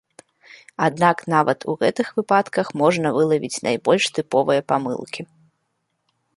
Аднак нават у гэтых выпадках можна вылавіць найбольш тыповыя памылкі.